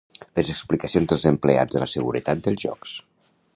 Les explicacions dels empleats de la seguretat dels Jocs.